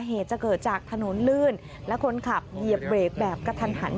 เหตุจะเกิดจากถนนลื่นและคนขับเหยียบเบรกแบบกระทันหัน